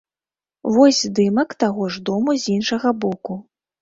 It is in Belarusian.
Вось здымак таго ж дому з іншага боку.